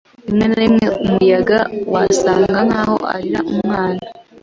Rimwe na rimwe, umuyaga wasaga nkaho arira umwana.